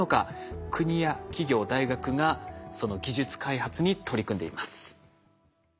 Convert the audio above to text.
国や企業大学がその技術開発に取り組んでいます。